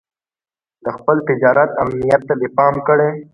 د خپل تجارت امنيت ته دې پام کړی.